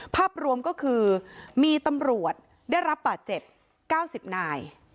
ภาพรวมก็คือมีตำรวจได้รับบาดเจ็บ๙๐นาย